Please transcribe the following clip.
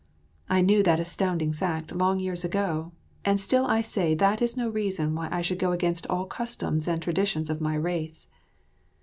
I knew that astounding fact long years ago, and still I say that is no reason why I should go against all customs and traditions of my race.